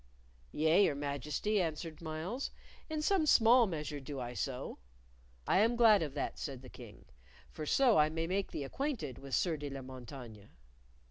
"Yea, your Majesty," answered Myles. "In some small measure do I so." "I am glad of that," said the King; "for so I may make thee acquainted with Sieur de la Montaigne."